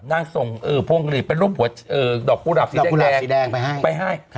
นางส่งพวงหลีดเป็นรูปหัวดอกกุหลาบสีแดงไปให้